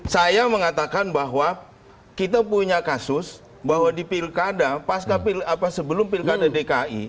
saya mengatakan bahwa kita punya kasus bahwa di pilkada sebelum pilkada dki